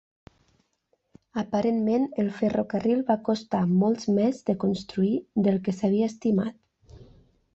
Aparentment el ferrocarril va costar molts més de construir del que s'havia estimat.